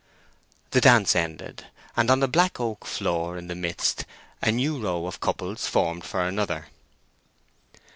The dance ended, and on the black oak floor in the midst a new row of couples formed for another.